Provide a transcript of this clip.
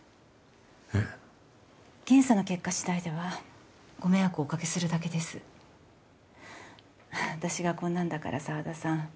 えっ検査の結果次第ではご迷惑をおかけするだけです私がこんなんだから沢田さん